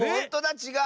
ちがう！